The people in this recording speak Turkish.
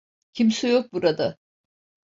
Kimse yok burada.